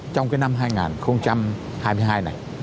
trong cái năm hai nghìn hai mươi hai này